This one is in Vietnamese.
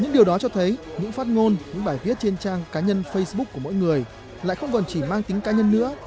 những điều đó cho thấy những phát ngôn những bài viết trên trang cá nhân facebook của mỗi người lại không còn chỉ mang tính cá nhân nữa